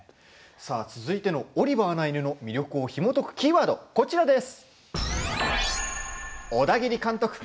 続いての「オリバーな犬」の魅力をひもとくキーワード、こちらです。